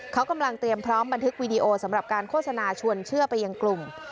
เขากำลังเตรียมพร้อมบันทึกวีดีโอสำหรับการโฆษณาชวนเชื่อไปยังกลุ่ม